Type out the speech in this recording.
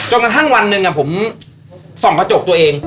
กระทั่งวันหนึ่งผมส่องกระจกตัวเอง